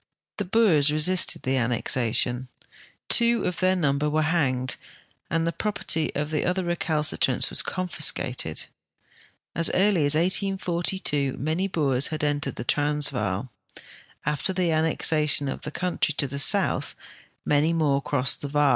The Boers resisted the annexation; two of their number were hanged and the ])i'operty of other recalcitrants was confiscated. As early as 1842 many Boers had entered the Transvaal. After the annex ation of the country to the soutli, many more crossed the Vaal.